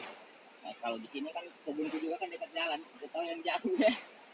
kalau di sini kan kebun itu juga kan dekat jalan saya tahu yang jauh ya